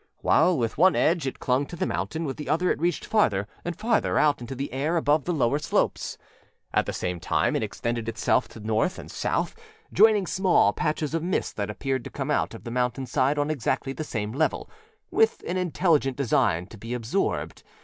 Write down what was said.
While with one edge it clung to the mountain, with the other it reached farther and farther out into the air above the lower slopes. At the same time it extended itself to north and south, joining small patches of mist that appeared to come out of the mountainside on exactly the same level, with an intelligent design to be absorbed.